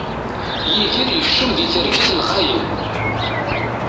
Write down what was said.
Yidir yekcem di targit lqayen.